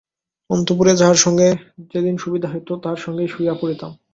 অন্তঃপুরে যাহার সঙ্গে যেদিন সুবিধা হইত তাহার সঙ্গেই শুইয়া পড়িতাম।